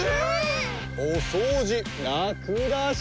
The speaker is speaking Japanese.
おそうじラクだし。